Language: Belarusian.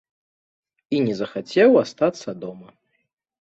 І не захацеў астацца дома.